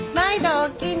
おおきに。